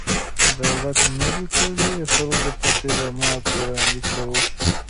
دولت نه دی کړی، خلکو ته خدمات وړاندې کوو.